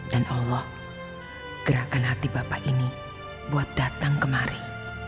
dan allah gerakan hati bapak ini buat datang kemari